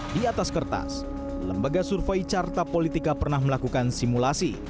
di atas kertas lembaga survei carta politika pernah melakukan simulasi